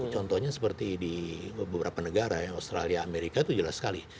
contohnya seperti di beberapa negara ya australia amerika itu jelas sekali